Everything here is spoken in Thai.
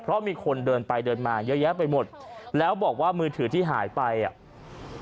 เพราะมีคนเดินไปเดินมาเยอะแยะไปหมดแล้วบอกว่ามือถือที่หายไปอ่ะ